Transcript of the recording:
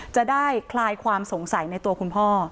คลายความสงสัยในตัวคุณพ่อ